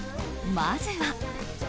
まずは。